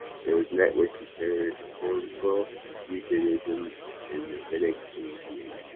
It was met with considerable enthusiasm in the Linux gaming community.